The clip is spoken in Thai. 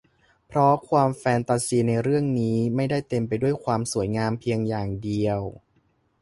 เพราะความแฟนตาซีในเรื่องนี้ไม่ได้เต็มไปด้วยความสวยงามเพียงอย่างเดียว